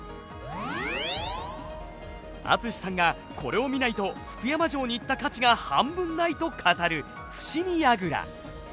淳さんがこれを見ないと福山城に行った価値が半分ないと語る伏見櫓。